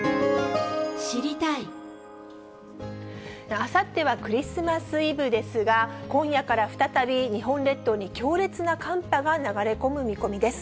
あさってはクリスマスイブですが、今夜から再び日本列島に強烈な寒波が流れ込む見込みです。